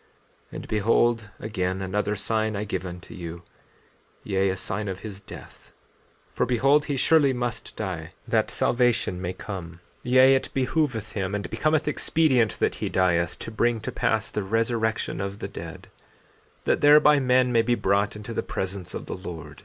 14:14 And behold, again, another sign I give unto you, yea, a sign of his death. 14:15 For behold, he surely must die that salvation may come; yea, it behooveth him and becometh expedient that he dieth, to bring to pass the resurrection of the dead, that thereby men may be brought into the presence of the Lord.